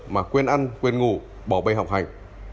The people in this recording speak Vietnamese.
mà quên ăn quên ngủ bỏ bây học hành